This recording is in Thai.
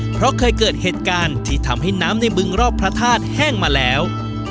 เพราะเคยเกิดเหตุการณ์ที่ทำให้น้ำในบึงรอบพระธาตุแห้งมาแล้ว